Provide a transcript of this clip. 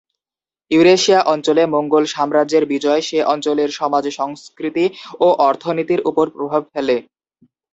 Eurasia অঞ্চলে মঙ্গল সাম্রাজ্যের বিজয় সে অঞ্চলের সমাজ সংস্কৃতি ও অর্থনীতির উপর প্রভাব ফেলে।